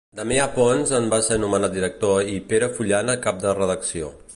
Damià Pons en va ser nomenat director i Pere Fullana cap de redacció.